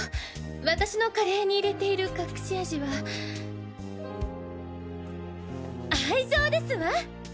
私のカレーに入れている隠し味は愛情ですわ！！